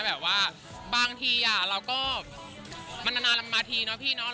แบบว่าบางทีเราก็มันนานมาทีเนาะพี่เนาะ